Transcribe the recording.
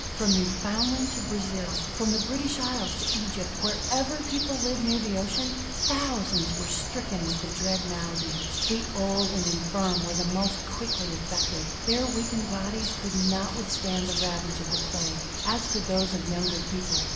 From Newfoundland to Brazil; from the British Isles to Egypt, wherever people lived near the ocean, thousands were stricken with the dread malady. The old and infirm were the most quickly affected; their weakened bodies could not withstand the ravage of the Plague as could those of younger people.